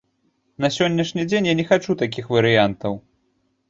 На сённяшні дзень я не хачу такіх варыянтаў.